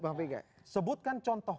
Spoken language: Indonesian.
bang pegah sebutkan contoh